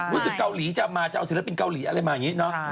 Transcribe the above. รู้สึกเกาหลีจะมาจะเอาศิลปินเกาหลีอะไรมาอย่างนี้เนอะ